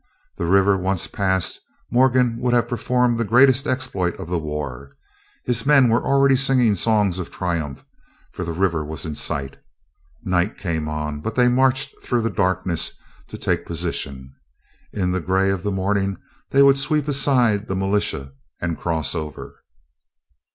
The river once passed, Morgan would have performed the greatest exploit of the war. His men were already singing songs of triumph, for the river was in sight. Night came on, but they marched through the darkness, to take position. In the gray of the morning they would sweep aside the militia and cross over.